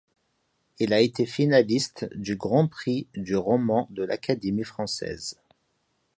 Il a été finaliste du Grand prix du roman de l'Académie Française.